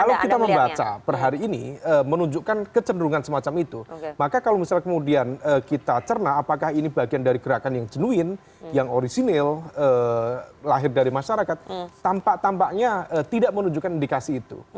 kalau kita membaca per hari ini menunjukkan kecenderungan semacam itu maka kalau misalnya kemudian kita cerna apakah ini bagian dari gerakan yang jenuin yang orisinil lahir dari masyarakat tampak tampaknya tidak menunjukkan indikasi itu